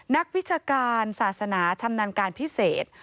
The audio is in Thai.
นักวิชาการศาสนาชำนาญการพิเศษ